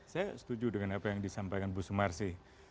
saya setuju dengan apa yang disampaikan bu sumarsi